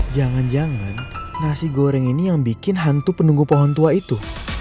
jangan jangan nasi goreng ini yang bikin hantu penunggu pohon tua itu